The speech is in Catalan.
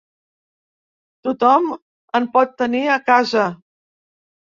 Tothom en pot tenir a casa!